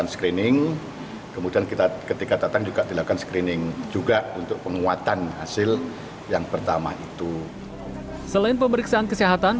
selain pemeriksaan kesehatan